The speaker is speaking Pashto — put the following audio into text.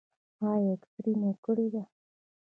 ایا اکسرې مو کړې ده؟